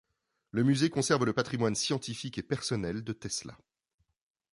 Le Musée conserve le patrimoine scientifique et personnel de Tesla.